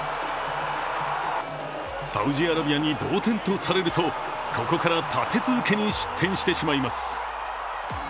サウジアラビアに同点とされるとここから立て続けに失点してしまいます。